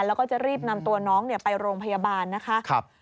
แล้วก็จะรีบนำตัวน้องไปโรงพยาบาลนะคะ